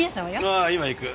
ああ今行く。